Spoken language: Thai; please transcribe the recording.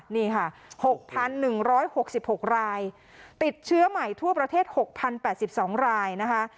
นี่ค่ะ๖๑๖๖รายติดเชื้อใหม่ทั่วประเทศ๖๐๘๒รายนะคะ